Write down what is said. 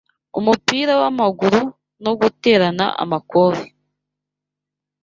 umupira w’amaguru no guterana amakofi